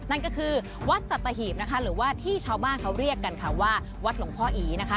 นั่นก็คือวัดสัตหีบนะคะหรือว่าที่ชาวบ้านเขาเรียกกันค่ะว่าวัดหลวงพ่ออีนะคะ